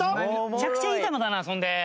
むちゃくちゃいい球だなそんで。